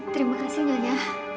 terima kasih nyonya